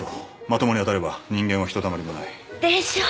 まともに当たれば人間はひとたまりもない。でしょ？